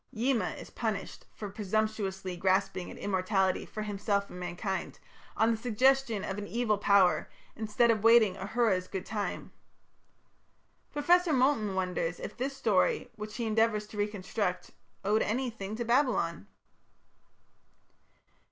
Yima is punished for "presumptuously grasping at immortality for himself and mankind, on the suggestion of an evil power, instead of waiting Ahura's good time". Professor Moulton wonders if this story, which he endeavours to reconstruct, "owed anything to Babylon?"